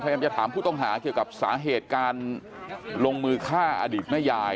พยายามจะถามผู้ต้องหาเกี่ยวกับสาเหตุการลงมือฆ่าอดีตแม่ยาย